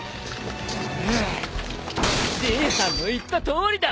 じいさんの言ったとおりだ。